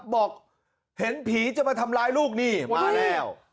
บอกเห็นผีจะมาทำร้ายลูกนี่มาแล้ว